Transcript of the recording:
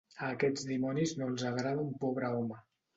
A aquests dimonis no els agrada un pobre home.